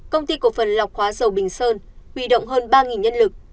công ty cổ phần lọc hóa dầu bình sơn huy động hơn ba nhân lực